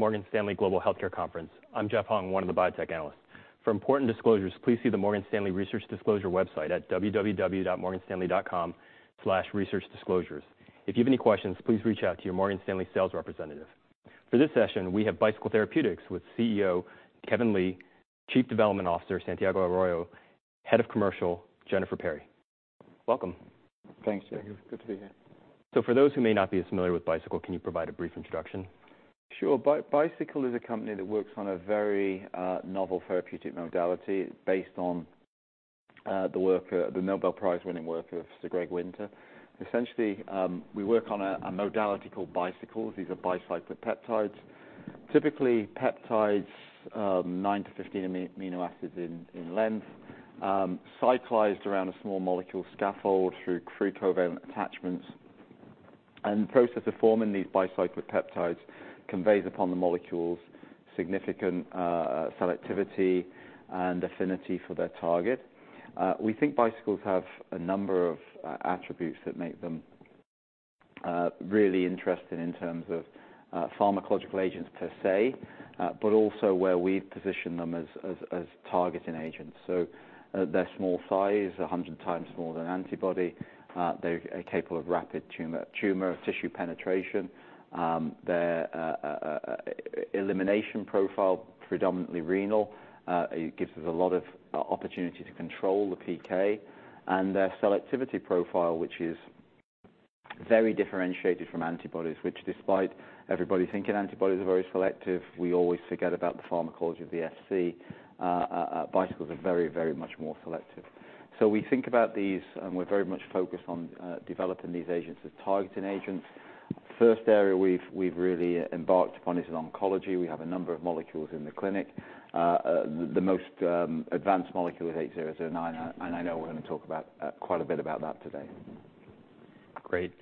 Welcome to the Morgan Stanley Global Healthcare Conference. I'm Jeff Hung, one of the biotech analysts. For important disclosures, please see the Morgan Stanley Research Disclosure website at www.morganstanley.com/researchdisclosures. If you have any questions, please reach out to your Morgan Stanley sales representative. For this session, we have Bicycle Therapeutics with CEO, Kevin Lee, Chief Development Officer, Santiago Arroyo, Head of Commercial, Jennifer Perry. Welcome. Thanks, Jeff. Thank you. Good to be here. For those who may not be as familiar with Bicycle, can you provide a brief introduction? Sure. Bicycle is a company that works on a very novel therapeutic modality based on the work, the Nobel Prize-winning work of Sir Greg Winter. Essentially, we work on a modality called Bicycles. These are bicyclic peptides. Typically, peptides 9 to 15 amino acids in length, cyclized around a small molecule scaffold through three covalent attachments. And the process of forming these bicyclic peptides conveys upon the molecules significant selectivity and affinity for their target. We think Bicycles have a number of attributes that make them really interesting in terms of pharmacological agents per se, but also where we position them as targeting agents. So, their small size, 100 times smaller than antibody. They're capable of rapid tumor tissue penetration. Their elimination profile, predominantly renal, it gives us a lot of opportunity to control the PK. And their selectivity profile, which is very differentiated from antibodies, which despite everybody thinking antibodies are very selective, we always forget about the pharmacology of the Fc. Bicycles are very, very much more selective. So we think about these, and we're very much focused on developing these agents as targeting agents. First area we've really embarked upon is oncology. We have a number of molecules in the clinic. The most advanced molecule is 8009, and I know we're gonna talk about quite a bit about that today. Great.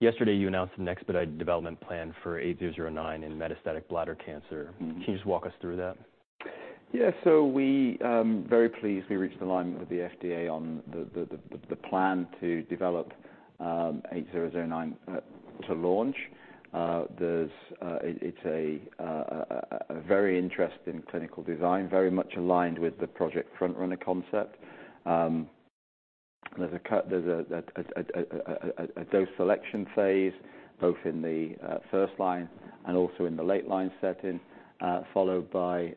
Yesterday, you announced an expedited development plan for 8009 in metastatic bladder cancer. Can you just walk us through that? Yeah. So we very pleased we reached alignment with the FDA on the plan to develop BT8009 to launch. There's It's a very interesting clinical design, very much aligned with the Project Frontrunner concept. There's a dose selection phase, both in the first line and also in the late line setting, followed by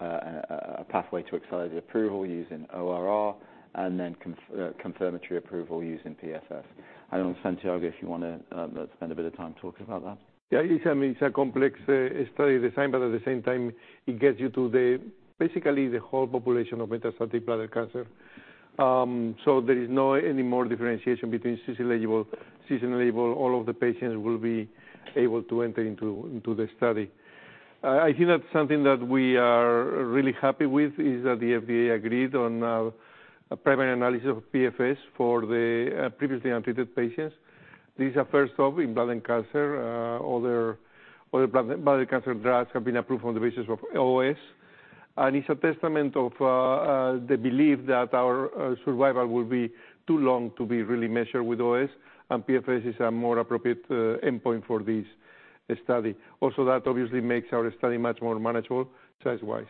a pathway to accelerated approval using ORR and then confirmatory approval using PFS. I don't know, Santiago, if you wanna spend a bit of time talking about that. Yeah, it's a complex study design, but at the same time, it gets you to basically the whole population of metastatic bladder cancer. So there is no more differentiation between cisplatin-eligible. All of the patients will be able to enter into the study. I think that's something that we are really happy with, is that the FDA agreed on a primary analysis of PFS for the previously untreated patients. These are first-line in bladder cancer. Other bladder cancer drugs have been approved on the basis of OS. And it's a testament of the belief that our survival will be too long to be really measured with OS, and PFS is a more appropriate endpoint for this study. Also, that obviously makes our study much more manageable size-wise.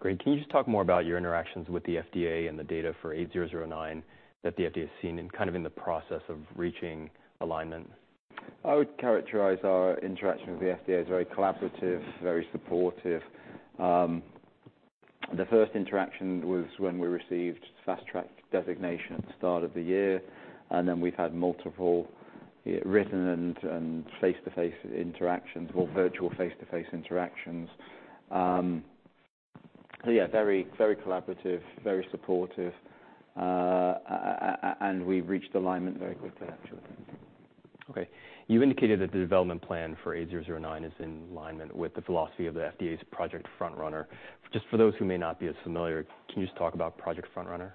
Great. Can you just talk more about your interactions with the FDA and the data for BT8009, that the FDA has seen in kind of in the process of reaching alignment? I would characterize our interaction with the FDA as very collaborative, very supportive. The first interaction was when we received Fast Track designation at the start of the year, and then we've had multiple written and face-to-face interactions or virtual face-to-face interactions. So yeah, very, very collaborative, very supportive, and we reached alignment very quickly, actually. Okay. You indicated that the development plan for BT8009 is in alignment with the philosophy of the FDA's Project Frontrunner. Just for those who may not be as familiar, can you just talk about Project Frontrunner?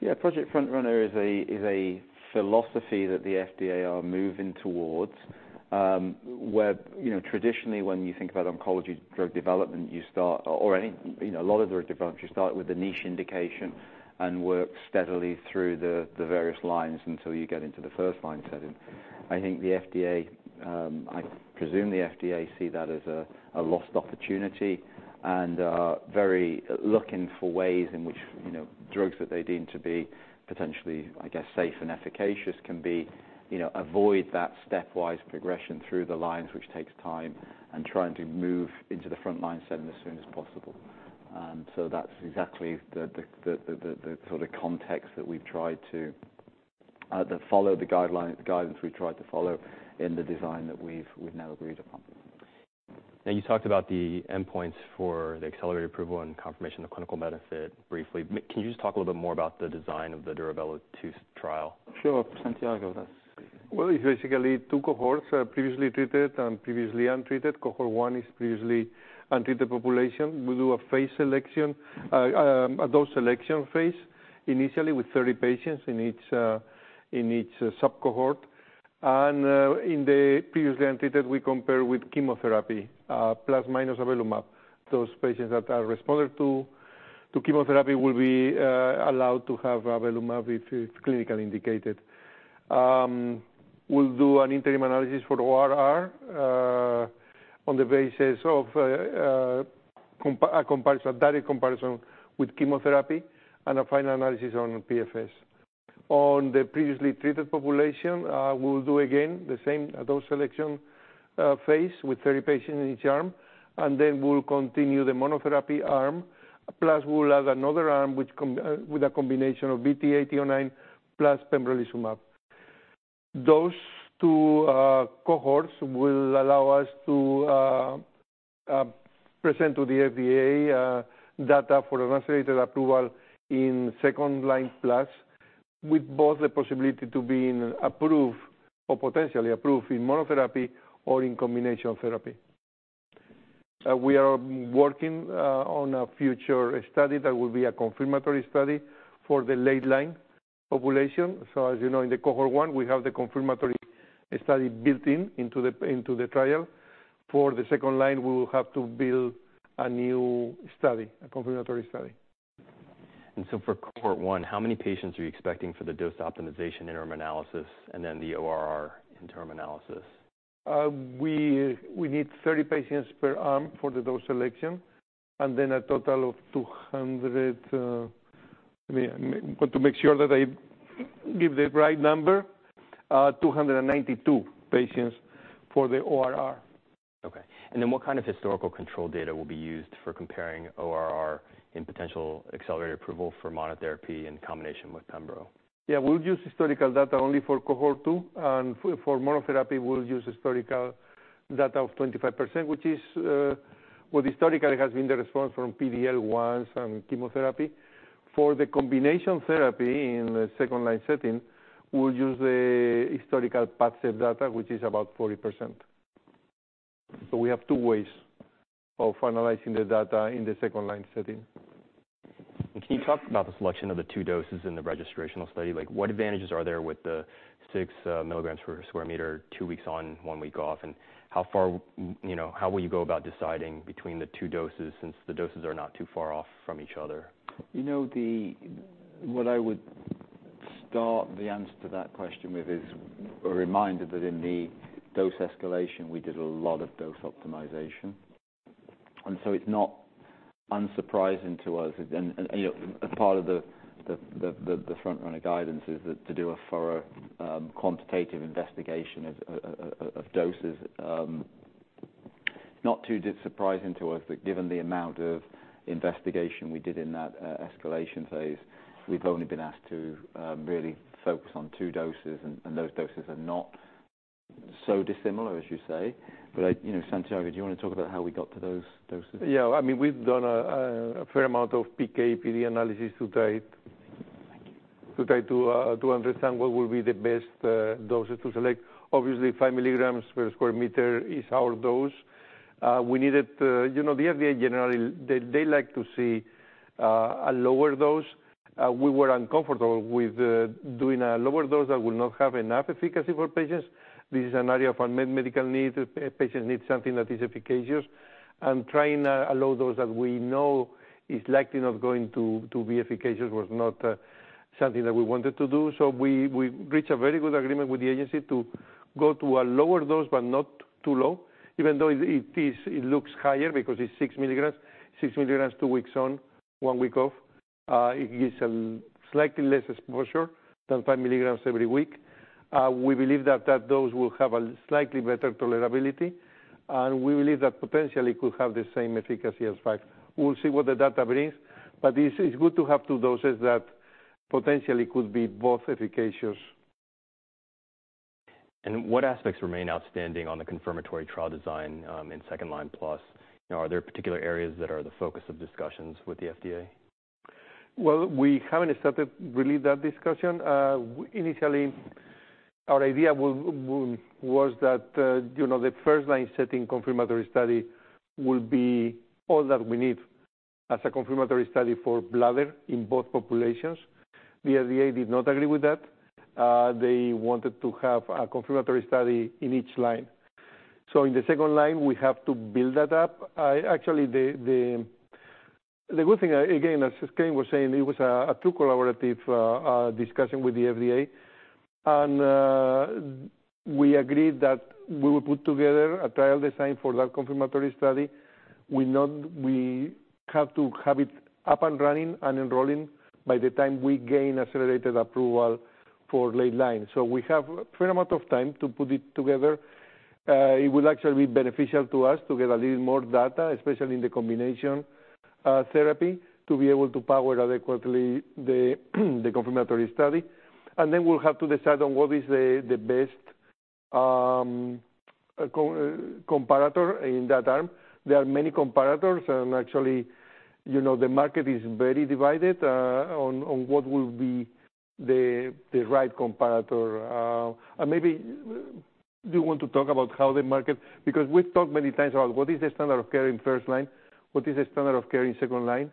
Yeah. Project Frontrunner is a philosophy that the FDA are moving toward. Where, you know, traditionally, when you think about oncology drug development, you start or any, you know, a lot of drug development, you start with a niche indication and work steadily through the various lines until you get into the first line setting. I think the FDA, I presume the FDA see that as a lost opportunity and are very looking for ways in which, you know, drugs that they deem to be potentially, I guess, safe and efficacious, can be, you know, avoid that stepwise progression through the lines, which takes time, and trying to move into the frontline setting as soon as possible. So that's exactly the sort of context that we've tried to follow, the guidance we've tried to follow in the design that we've now agreed upon. Now, you talked about the endpoints for the Accelerated Approval and confirmation of clinical benefit briefly. Can you just talk a little bit more about the design of the Duravelo-2 trial? Sure. Santiago, that's- Well, it's basically two cohorts, previously treated and previously untreated. Cohort one is previously untreated population. We do a dose selection phase, initially with 30 patients in each sub-cohort. In the previously untreated, we compare with chemotherapy, plus minus avelumab. Those patients that responded to chemotherapy will be allowed to have avelumab if it's clinically indicated. We'll do an interim analysis for ORR, on the basis of a direct comparison with chemotherapy and a final analysis on PFS. On the previously treated population, we'll do again the same dose selection phase with 30 patients in each arm, and then we'll continue the monotherapy arm. Plus, we'll add another arm, which with a combination of BT8009 plus pembrolizumab. Those two cohorts will allow us to present to the FDA data for an accelerated approval in second-line plus, with both the possibility to being approved or potentially approved in monotherapy or in combination therapy. We are working on a future study that will be a confirmatory study for the late line population. So as you know, in the cohort one, we have the confirmatory study built into the trial. For the second line, we will have to build a new study, a confirmatory study. For Cohort 1, how many patients are you expecting for the dose optimization interim analysis and then the ORR interim analysis? We need 30 patients per arm for the dose selection, and then a total of 200. Let me want to make sure that I give the right number. 292 patients for the ORR. Okay. And then what kind of historical control data will be used for comparing ORR in potential accelerated approval for monotherapy in combination with pembro? Yeah, we'll use historical data only for Cohort 2, and for monotherapy, we'll use historical data of 25%, which is what historically has been the response from PD-L1s and chemotherapy. For the combination therapy in the second-line setting, we'll use a historical PFS data, which is about 40%. So we have two ways of analyzing the data in the second-line setting. Can you talk about the selection of the two doses in the registrational study? Like, what advantages are there with the 6 mg per square meter, two weeks on, one week off? You know, how will you go about deciding between the two doses since the doses are not too far off from each other? You know, what I would start the answer to that question with is a reminder that in the dose escalation, we did a lot of dose optimization. And so it's not unsurprising to us. And you know, a part of the Frontrunner guidance is that to do a thorough quantitative investigation of doses. Not too surprising to us that given the amount of investigation we did in that escalation phase, we've only been asked to really focus on two doses, and those doses are not so dissimilar, as you say. But you know, Santiago, do you want to talk about how we got to those doses? Yeah. I mean, we've done a fair amount of PK/PD analysis to try to understand what will be the best doses to select. Obviously, 5 mg per square meter is our dose. We needed, you know, the FDA generally, they like to see a lower dose. We were uncomfortable with doing a lower dose that would not have enough efficacy for patients. This is an area of unmet medical need. Patients need something that is efficacious, and trying a lower dose that we know is likely not going to be efficacious was not something that we wanted to do. So we reached a very good agreement with the agency to go to a lower dose, but not too low, even though it is, it looks higher because it's 6 mg, 6 mg, two weeks on, one week off, it gives a slightly less exposure than 5 mg every week. We believe that that dose will have a slightly better tolerability, and we believe that potentially could have the same efficacy as 5. We'll see what the data brings, but it's, it's good to have two doses that potentially could be both efficacious. What aspects remain outstanding on the confirmatory trial design, in second line plus? Are there particular areas that are the focus of discussions with the FDA? Well, we haven't started really that discussion. Initially, our idea was that, you know, the first-line setting confirmatory study will be all that we need as a confirmatory study for bladder in both populations. The FDA did not agree with that. They wanted to have a confirmatory study in each line. So in the second line, we have to build that up. Actually, the good thing, again, as Kevin was saying, it was a two-way collaborative discussion with the FDA. And, we agreed that we would put together a trial design for that confirmatory study. We have to have it up and running and enrolling by the time we gain Accelerated Approval for late-line. So we have a fair amount of time to put it together. It will actually be beneficial to us to get a little more data, especially in the combination therapy, to be able to power adequately the confirmatory study. And then we'll have to decide on what is the best comparator in that arm. There are many comparators, and actually, you know, the market is very divided on what will be the right comparator. And maybe you want to talk about how the market... Because we've talked many times about what is the standard of care in first line, what is the standard of care in second line?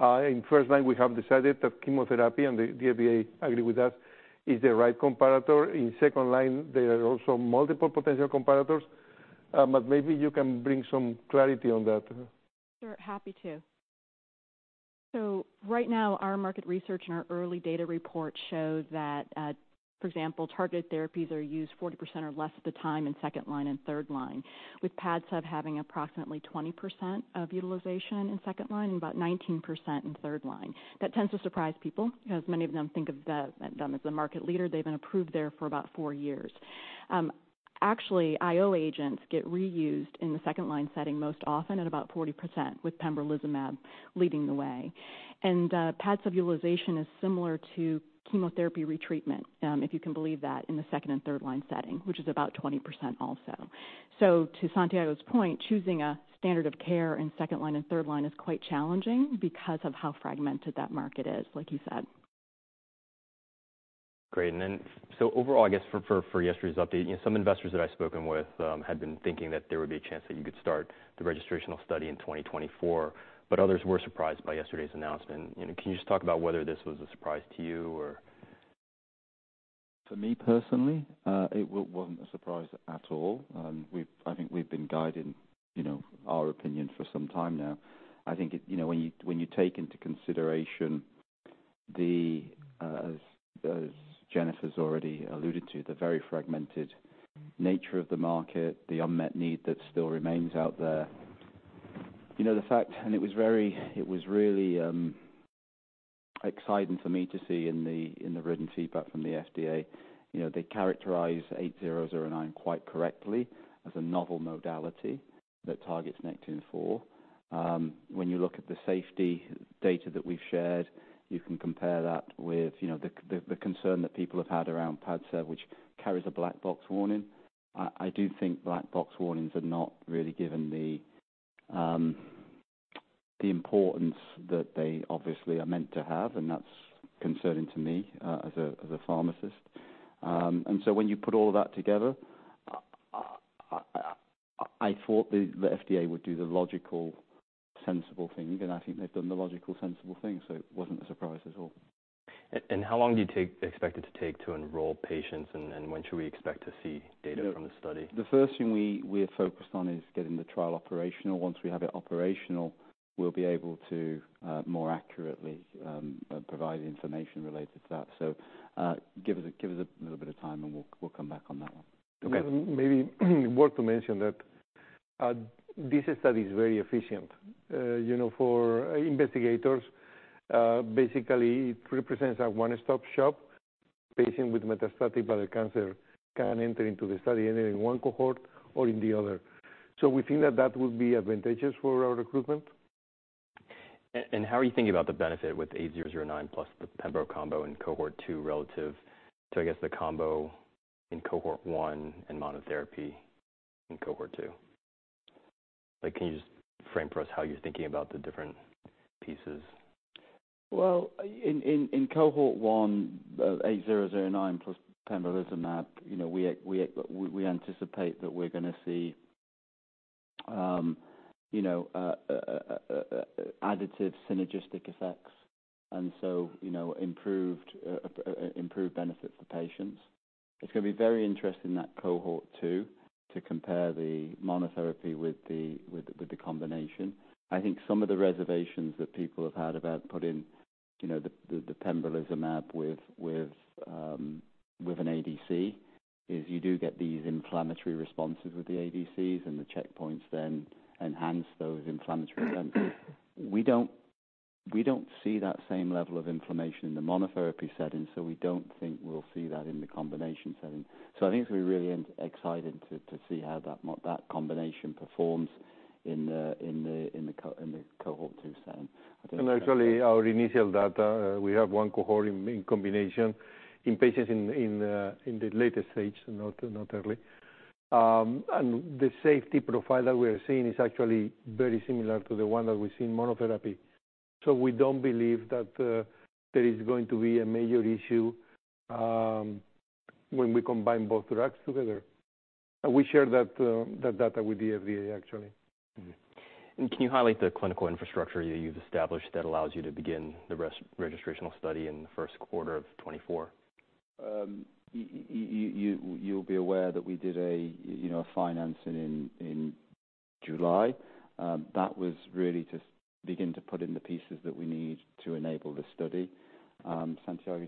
In first line, we have decided that chemotherapy, and the FDA agreed with us, is the right comparator. In second line, there are also multiple potential comparators but maybe you can bring some clarity on that. Sure, happy to. So right now, our market research and our early data report shows that, for example, targeted therapies are used 40% or less of the time in second line and third line, with PADCEV having approximately 20% of utilization in second line and about 19% in third line. That tends to surprise people, as many of them think of that them as the market leader. They've been approved there for about 4 years. Actually, IO agents get reused in the second line setting most often at about 40%, with pembrolizumab leading the way. And, PADCEV utilization is similar to chemotherapy retreatment, if you can believe that, in the second and third line setting, which is about 20% also. To Santiago's point, choosing a standard of care in second line and third line is quite challenging because of how fragmented that market is, like you said. Great. Then, so overall, I guess, for yesterday's update, some investors that I've spoken with had been thinking that there would be a chance that you could start the registrational study in 2024, but others were surprised by yesterday's announcement. You know, can you just talk about whether this was a surprise to you or? For me, personally, it wasn't a surprise at all. I think we've been guiding, you know, our opinion for some time now. I think it, you know, when you take into consideration the, as Jennifer's already alluded to, the very fragmented nature of the market, the unmet need that still remains out there. You know, the fact. It was really exciting for me to see in the written feedback from the FDA. You know, they characterize BT8009 quite correctly as a novel modality that targets Nectin-4. When you look at the safety data that we've shared, you can compare that with, you know, the concern that people have had around PADCEV, which carries a black box warning. I do think black box warnings are not really given the importance that they obviously are meant to have, and that's concerning to me, as a pharmacist. And so when you put all of that together, I thought the FDA would do the logical, sensible thing, and I think they've done the logical, sensible thing, so it wasn't a surprise at all. And how long do you expect it to take to enroll patients, and when should we expect to see data from the study? The first thing we are focused on is getting the trial operational. Once we have it operational, we'll be able to more accurately provide information related to that. So, give us a little bit of time, and we'll come back on that one. Okay. Maybe worth to mention that, this study is very efficient. You know, for investigators, basically it represents a one-stop shop. Patient with metastatic bowel cancer can enter into the study, either in one cohort or in the other. So we think that that will be advantageous for our recruitment. And how are you thinking about the benefit with 8009 plus the pembro combo in cohort two, relative to, I guess, the combo in cohort one and monotherapy in cohort two? Like, can you just frame for us how you're thinking about the different pieces? Well, in Cohort 1, BT8009 plus pembrolizumab, you know, we anticipate that we're gonna see, you know, additive synergistic effects and so, you know, improved benefit for patients. It's gonna be very interesting in that cohort, too, to compare the monotherapy with the combination. I think some of the reservations that people have had about putting, you know, the pembrolizumab with an ADC, is you do get these inflammatory responses with the ADCs, and the checkpoints then enhance those inflammatory events. We don't see that same level of inflammation in the monotherapy setting, so we don't think we'll see that in the combination setting. I think it's going to be really excited to see how that combination performs in the cohort two setting. Actually, our initial data, we have one cohort in combination in patients in the later stage, not early. And the safety profile that we are seeing is actually very similar to the one that we see in monotherapy. So we don't believe that there is going to be a major issue when we combine both drugs together. And we share that data with the FDA, actually. Can you highlight the clinical infrastructure you've established that allows you to begin the registrational study in the first quarter of 2024? You'll be aware that we did a, you know, a financing in July. Santiago, do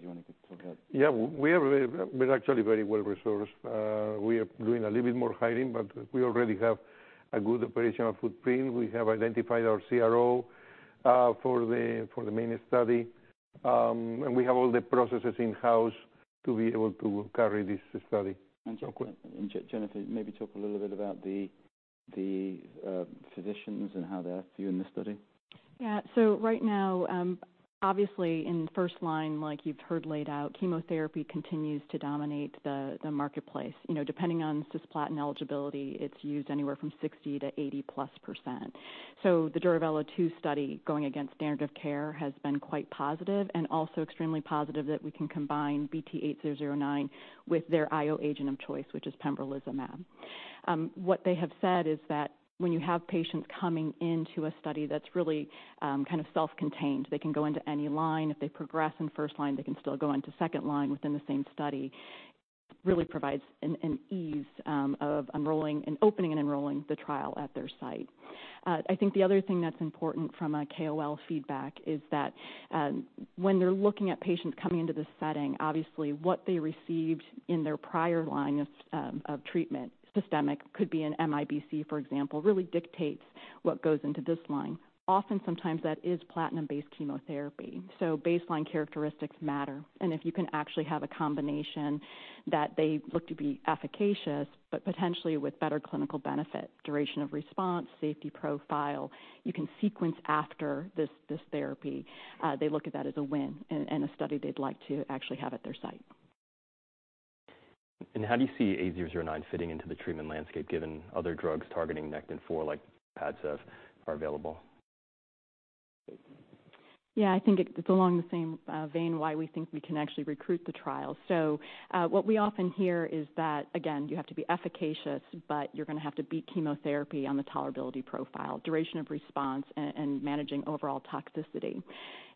you want to talk about? Yeah, we're actually very well resourced. We are doing a little bit more hiring, but we already have a good operational footprint. We have identified our CRO for the main study. And we have all the processes in-house to be able to carry this study. Jennifer, maybe talk a little bit about the physicians and how they're viewing this study. Yeah. So right now, obviously in first line, like you've heard laid out, chemotherapy continues to dominate the, the marketplace. You know, depending on cisplatin eligibility, it's used anywhere from 60%-80%+. So the Duravelo-2 study, going against standard of care, has been quite positive and also extremely positive that we can combine BT8009 with their IO agent of choice, which is pembrolizumab. What they have said is that when you have patients coming into a study that's really, kind of self-contained, they can go into any line. If they progress in first line, they can still go into second line within the same study. Really provides an ease of enrolling and opening and enrolling the trial at their site. I think the other thing that's important from a KOL feedback is that, when they're looking at patients coming into this setting, obviously, what they received in their prior line of treatment, systemic could be an MIBC, for example, really dictates what goes into this line. Often, sometimes that is platinum-based chemotherapy, so baseline characteristics matter. If you can actually have a combination that they look to be efficacious, but potentially with better clinical benefit, duration of response, safety profile, you can sequence after this therapy, they look at that as a win and a study they'd like to actually have at their site. How do you see 8009 fitting into the treatment landscape, given other drugs targeting Nectin-4, like PADCEV, are available? Yeah, I think it's along the same vein, why we think we can actually recruit the trial. So, what we often hear is that, again, you have to be efficacious, but you're gonna have to beat chemotherapy on the tolerability profile, duration of response, and managing overall toxicity.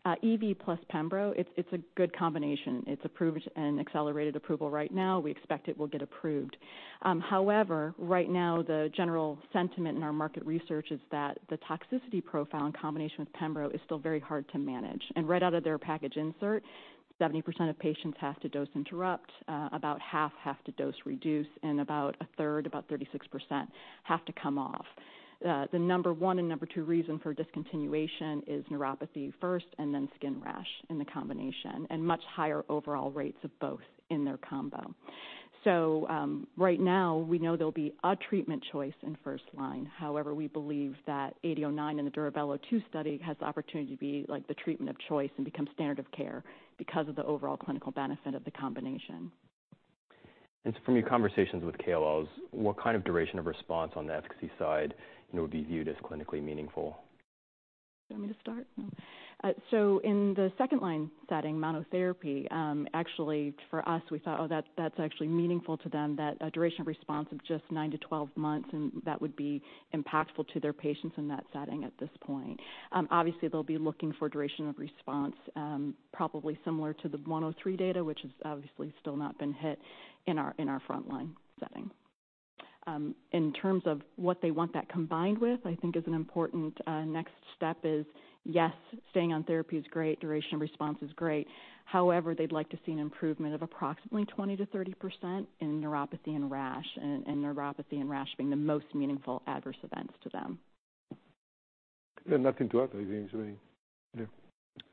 EV plus pembro, it's a good combination. It's approved and accelerated approval right now. We expect it will get approved. However, right now, the general sentiment in our market research is that the toxicity profile in combination with pembro is still very hard to manage. And right out of their package insert, 70% of patients have to dose interrupt, about half have to dose reduce, and about a third, about 36%, have to come off. The number one and number two reason for discontinuation is neuropathy first, and then skin rash in the combination, and much higher overall rates of both in their combo. So, right now, we know there'll be a treatment choice in first line. However, we believe that BT8009 in the Duravelo-2 study has the opportunity to be like the treatment of choice and become standard of care because of the overall clinical benefit of the combination. From your conversations with KOLs, what kind of duration of response on the efficacy side, you know, would be viewed as clinically meaningful? You want me to start? No. So in the second line setting, monotherapy, actually, for us, we thought, oh, that's actually meaningful to them, that a duration of response of just nine to 12 months, and that would be impactful to their patients in that setting at this point. Obviously, they'll be looking for duration of response, probably similar to the 103 data, which has obviously still not been hit in our, in our front line setting. In terms of what they want that combined with, I think is an important next step is, yes, staying on therapy is great, duration of response is great. However, they'd like to see an improvement of approximately 20%-30% in neuropathy and rash, and, and neuropathy and rash being the most meaningful adverse events to them. Yeah, nothing to add, I think, so yeah.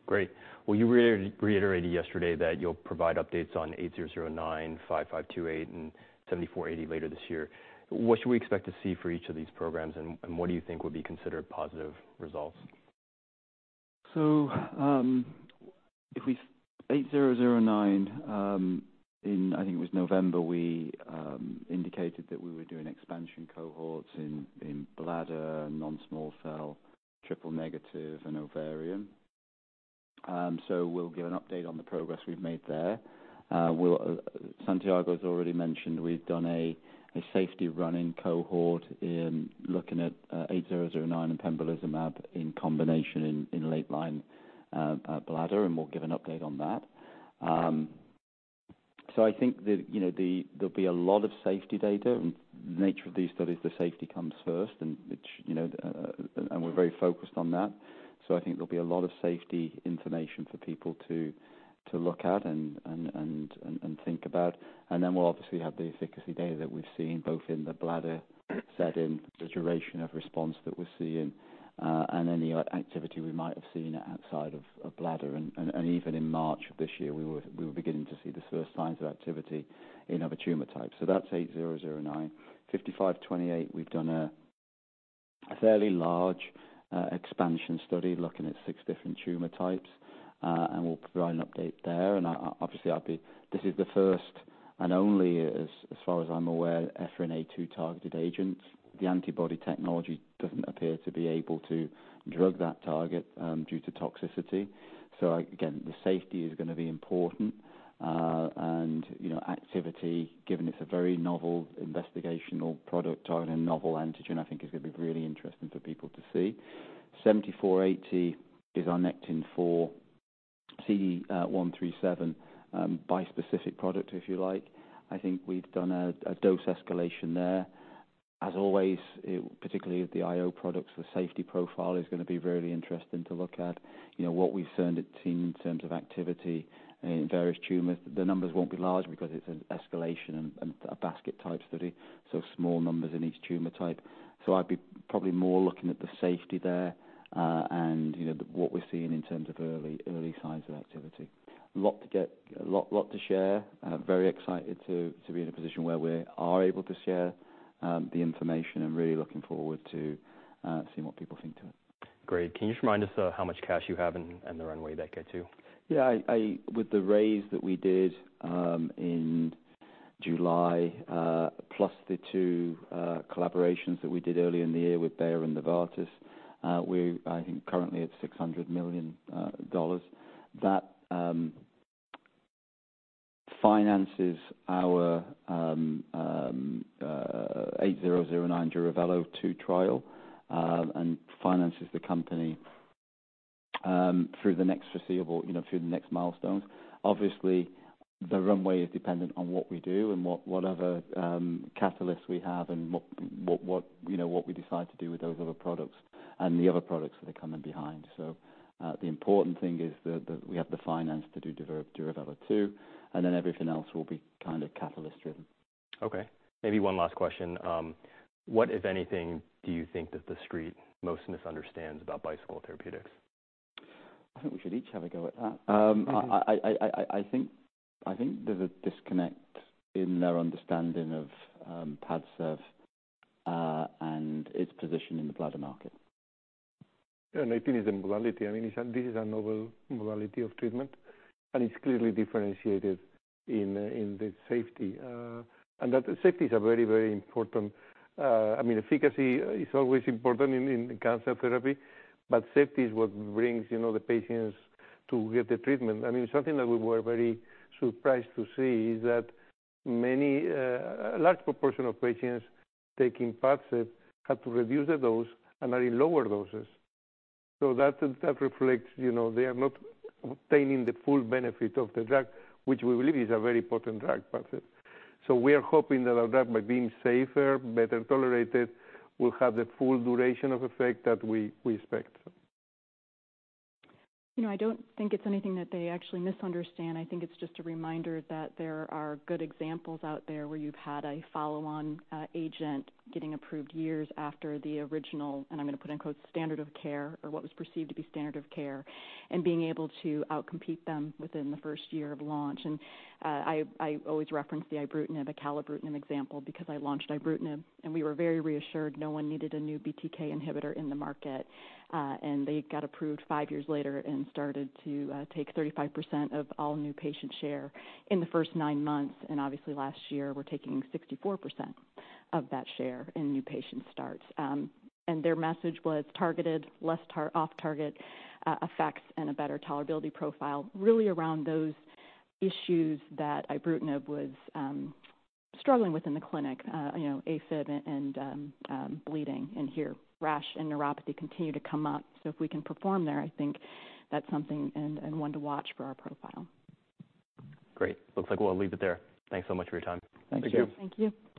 Great. Well, you reiterated yesterday that you'll provide updates on 8009, 5528, and 7480 later this year. What should we expect to see for each of these programs, and what do you think would be considered positive results? So, BT8009, in I think it was November we indicated that we were doing expansion cohorts in bladder, non-small cell, triple-negative, and ovarian. So we'll give an update on the progress we've made there. We'll, Santiago has already mentioned we've done a safety run-in cohort looking at BT8009 and pembrolizumab in combination in late-line bladder, and we'll give an update on that. So I think that, you know, there'll be a lot of safety data. The nature of these studies, the safety comes first, and which, you know, and we're very focused on that. So I think there'll be a lot of safety information for people to look at and think about. And then we'll obviously have the efficacy data that we've seen, both in the bladder setting, the duration of response that we're seeing, and any activity we might have seen outside of bladder. And even in March of this year, we were beginning to see the first signs of activity in other tumor types. So that's BT8009. BT5528, we've done a fairly large expansion study looking at six different tumor types, and we'll provide an update there. And I obviously, I'd be this is the first and only, as far as I'm aware, Ephrin A2 targeted agent. The antibody technology doesn't appear to be able to drug that target, due to toxicity. So again, the safety is gonna be important. And you know, activity, given it's a very novel investigational product and a novel antigen, I think is gonna be really interesting for people to see. BT7480 is our Nectin-4 CD137 bispecific product, if you like. I think we've done a dose escalation there. As always, particularly with the IO products, the safety profile is gonna be really interesting to look at. You know, what we've seen in terms of activity in various tumors The numbers won't be large because it's an escalation and a basket-type study, so small numbers in each tumor type. So I'd probably be more looking at the safety there, and you know, what we're seeing in terms of early signs of activity. Lot to get, a lot, lot to share, very excited to, to be in a position where we are able to share, the information and really looking forward to, seeing what people think to it. Great. Can you just remind us of how much cash you have and the runway that gets you? Yeah, with the raise that we did in July, plus the two collaborations that we did earlier in the year with Bayer and Novartis, we're, I think, currently at $600 million. That finances our BT8009 Duravelo-2 trial, and finances the company through the next foreseeable, you know, through the next milestones. Obviously, the runway is dependent on what we do and what other catalysts we have and what, you know, what we decide to do with those other products and the other products that are coming behind. So, the important thing is that we have the finance to do Duravelo-2, and then everything else will be kind of catalyst-driven. Okay. Maybe one last question. What, if anything, do you think that the street most misunderstands about Bicycle Therapeutics? I think we should each have a go at that. I think there's a disconnect in their understanding of PADCEV and its position in the bladder market. Yeah, and I think it's the modality. I mean, it's a novel modality of treatment, and it's clearly differentiated in the safety. And that safety is a very, very important. I mean, efficacy is always important in cancer therapy, but safety is what brings, you know, the patients to get the treatment. I mean, something that we were very surprised to see is that many, a large proportion of patients taking PADCEV had to reduce the dose and are in lower doses. So that reflects, you know, they are not obtaining the full benefit of the drug, which we believe is a very potent drug, PADCEV. So we are hoping that our drug, by being safer, better tolerated, will have the full duration of effect that we expect. You know, I don't think it's anything that they actually misunderstand. I think it's just a reminder that there are good examples out there where you've had a follow-on agent getting approved years after the original, and I'm gonna put in quotes, "standard of care," or what was perceived to be standard of care, and being able to outcompete them within the first year of launch. I always reference the ibrutinib, acalabrutinib example, because I launched ibrutinib, and we were very reassured no one needed a new BTK inhibitor in the market. They got approved five years later and started to take 35% of all new patient share in the first 9 months, and obviously last year, we're taking 64% of that share in new patient starts. Their message was targeted, less off-target effects and a better tolerability profile, really around those issues that ibrutinib was struggling with in the clinic, you know, AFib and bleeding. And here, rash and neuropathy continue to come up. So if we can perform there, I think that's something and one to watch for our profile. Great. Looks like we'll leave it there. Thanks so much for your time. Thank you. Thank you. Thank you.